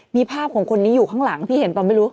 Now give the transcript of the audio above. มีภาพของคนนี้อยู่ข้างหลังพี่เห็นป่ะไม่รู้